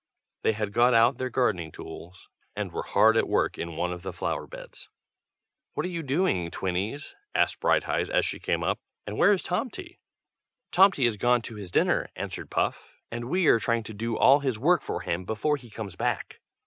They had got out their gardening tools, and were hard at work in one of the flower beds. "What are you doing, Twinnies?" asked Brighteyes as she came up. "And where is Tomty?" "Tomty is gone to his dinner," answered Puff. "And we are trying to do all his work for him before he comes back."